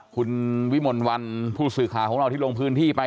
คุณวิมลวันผู้สื่อข่าวของเราที่ลงพื้นที่ไป